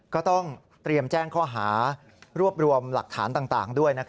ก็ต้องเตรียมแจ้งข้อหารวบรวมหลักฐานต่างด้วย